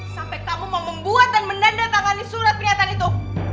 sampai kamu mau membuat dan menandatangani surat pernyataan itu